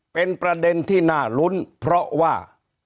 เป็นประเด็นที่น่ารุ้นเพราะว่า